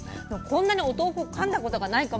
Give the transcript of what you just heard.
こんなにお豆腐をかんだことがないかも。